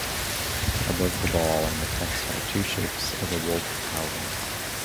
Above the ball and the text are two shapes of a wolf howling.